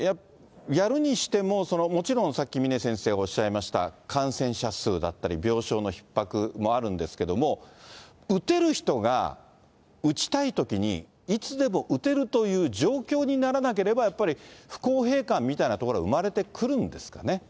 やるにしても、もちろんさっき峰先生がおっしゃいました感染者数だったり、病床のひっ迫もあるんですけども、打てる人が打ちたいときにいつでも打てるという状況にならなければやっぱり不公平感みたいなところは生まれてくるんですかね。